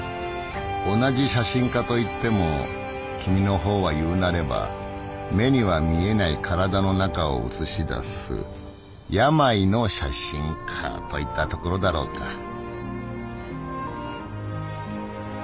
「同じ写真家といっても君の方はいうなれば目には見えない体の中を写し出す病の写真家といったところだろうか」